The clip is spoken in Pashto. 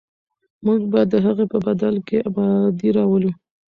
موږ به د هغې په بدل کې ابادي راولو.